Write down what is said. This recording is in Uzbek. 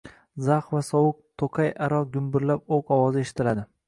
Zax va sovuq toʻqay aro gumburlab oʻq ovozi eshitiladi.